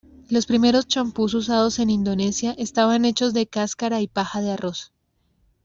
Los primeros champús usados en Indonesia estaban hechos de cáscara y paja de arroz.